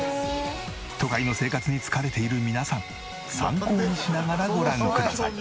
都会の生活に疲れている皆さん参考にしながらご覧ください。